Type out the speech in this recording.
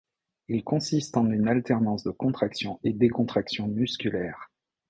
Ils consistent en une alternance de contraction et décontraction musculaire.